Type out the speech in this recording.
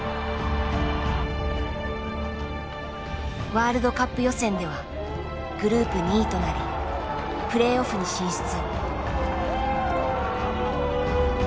ワールドカップ予選ではグループ２位となりプレーオフに進出。